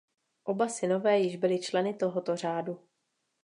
Oba synové již byli členy tohoto řádu.